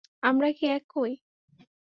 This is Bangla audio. আমরা কি একই?